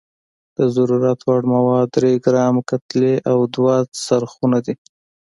د ضرورت وړ مواد درې ګرامه کتلې او دوه څرخونه دي.